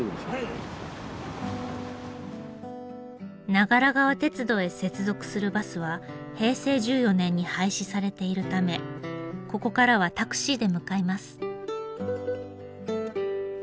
長良川鉄道へ接続するバスは平成１４年に廃止されているためここからはタクシーで向かいます。